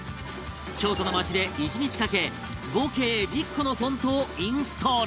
京都の街で１日かけ合計１０個のフォントをインストール